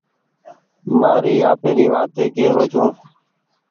مآري آپيري وآتي ڪي رو ڇون.